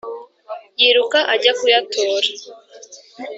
Yiruka ajya kuyatora,